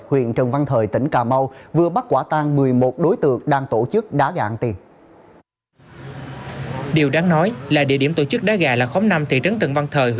huyện trần văn thời huyện trần văn thời